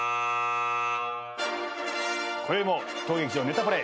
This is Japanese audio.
こよいも当劇場『ネタパレ』